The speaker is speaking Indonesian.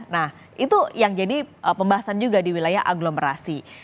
nah itu yang jadi pembahasan juga di wilayah aglomerasi